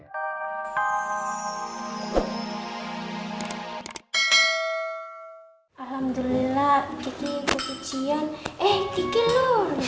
alhamdulillah kecil kecil eh kecil lho